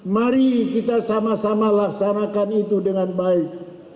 mari kita sama sama laksanakan itu dengan baik